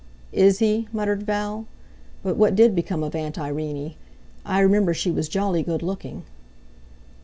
"Is he?" muttered Val. "But what did become of Aunt Irene? I remember she was jolly good looking."